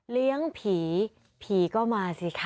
เลี้ยงผีผีก็มาสิค่ะ